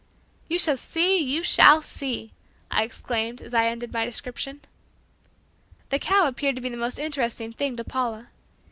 "You shall see, you shall see!" I exclaimed as I ended my description. The cow appeared to be the most interesting thing to Paula.